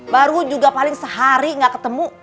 baru juga paling sehari nggak ketemu